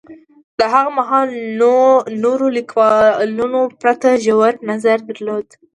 د هغه مهال نورو لیکنو پرتله ژور نظر درلود